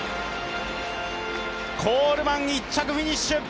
コールマン１着フィニッシュ。